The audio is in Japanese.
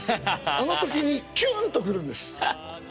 あの時にキュン！と来るんです。